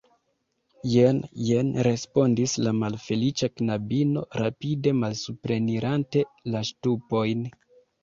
Jen, jen, respondis la malfeliĉa knabino, rapide malsuprenirante la ŝtupojn.